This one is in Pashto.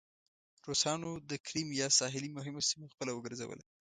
روسانو د کریمیا ساحلي مهمه سیمه خپله وګرځوله.